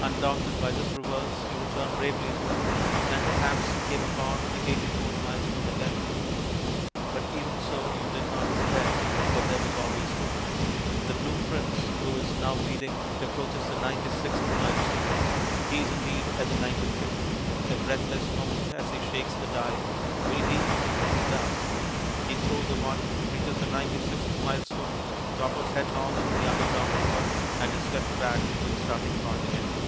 Undaunted by this reverse, you returned bravely to it, and perhaps came upon the eighty fourth milestone again. But even so you did not despair, for there was always hope. The Blue Prince, who is now leading, approaches the ninety sixth milestone. He is, indeed, at the ninety fifth. A breathless moment as he shakes the die. Will he? He does. He throws a one, reaches the ninety sixth milestone, topples headlong into the underground river, and is swept back to the starting point again.